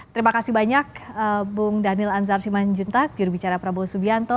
terima kasih banyak bung daniel anzar simanjuntak jurubicara prabowo subianto